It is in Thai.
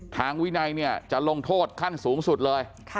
วินัยเนี่ยจะลงโทษขั้นสูงสุดเลย